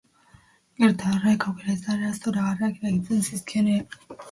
Gertaera horrek aukera zoragarriak irekitzen zizkion ikaskuntza berantiarrari eta ezinduen ikaskuntzari.